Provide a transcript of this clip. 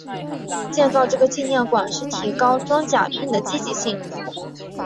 建造这个纪念馆是提高装甲兵的积极性。